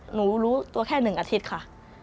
หนูรู้ตัวแค่๑อาทิตย์ค่ะ